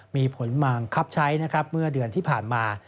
มีผลมากคับใช้เมื่อเดือนที่ผ่านมา